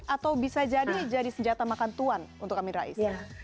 atau bisa jadi senjata makan tuan untuk amin rais